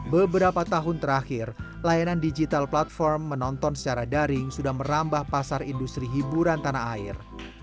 beberapa tahun terakhir layanan digital platform menonton secara daring sudah merambah pasar industri hiburan tanah air